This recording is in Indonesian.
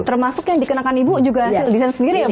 termasuk yang dikenakan ibu juga hasil desain sendiri ya bu